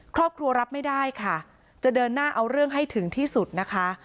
ครอบครัวรับไม่ได้ค่ะจะเดินหน้าเอาเรื่องให้ถึงที่สุดนะคะ